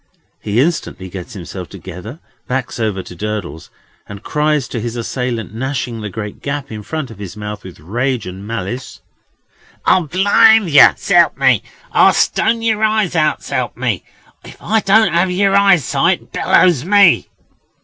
He instantly gets himself together, backs over to Durdles, and cries to his assailant, gnashing the great gap in front of his mouth with rage and malice: "I'll blind yer, s'elp me! I'll stone yer eyes out, s'elp me! If I don't have yer eyesight, bellows me!"